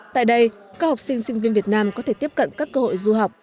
tại đây các học sinh sinh viên việt nam có thể tiếp cận các cơ hội du học